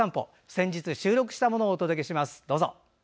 先日、収録したものをお届けします、どうぞ。